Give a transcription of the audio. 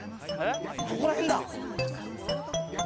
ここら辺だ。